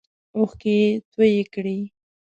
اوښکې یې تویی کړې.